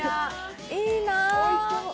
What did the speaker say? いいな。